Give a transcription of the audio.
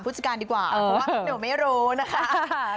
เพราะว่าหนึ่งไม่โรนะคะ